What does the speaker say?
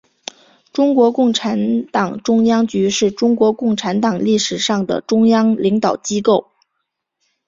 中国共产党中央局是中国共产党历史上的中央领导机构。